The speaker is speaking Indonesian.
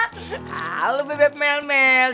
kalo bebek melmel